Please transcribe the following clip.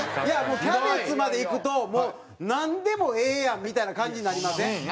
いやもうキャベツまでいくともうなんでもええやんみたいな感じになりません？